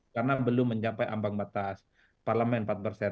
karena belum mencapai ambang batas parlemen empat